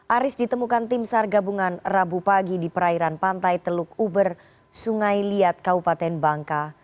aris ditemukan tim sar gabungan rabu pagi di perairan pantai teluk uber sungai liat kabupaten bangka